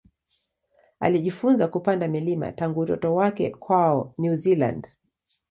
Alijifunza kupanda milima tangu utoto wake kwao New Zealand.